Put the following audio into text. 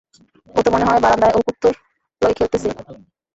ও তো মনে হয় বারান্দায় ওর কুত্তোর লগে খেলতিসিল।